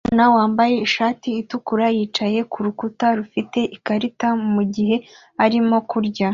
Umwana wambaye ishati itukura yicaye kurukuta rufite ikarita mugihe arimo kurya